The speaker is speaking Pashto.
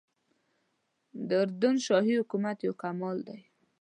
د اردن شاهي حکومت یو کمال دی.